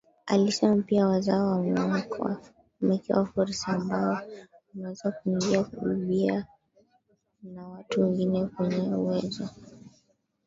Alisema pia Wazawa wamewekewa fursa ambayo wanaweza kuingia ubia na watu wengine wenye uwezo